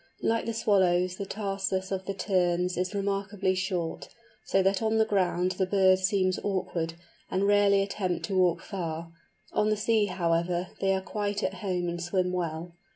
Like the Swallows the tarsus of the Terns is remarkably short, so that on the ground the birds seem awkward, and rarely attempt to walk far; on the sea, however, they are quite at home and swim well.